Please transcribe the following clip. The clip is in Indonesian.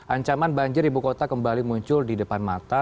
ancaman banjir ibu kota kembali muncul di depan mata